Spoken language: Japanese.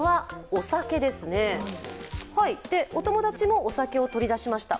お友達もお酒を取り出しました。